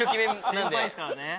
先輩ですからね。